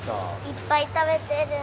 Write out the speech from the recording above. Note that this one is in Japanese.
いっぱい食べてる！